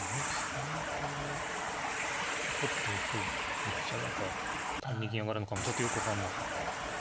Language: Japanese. ２四歩取って歩打っちゃうのか２二銀上がるのかもちょっとよく分かんなかった。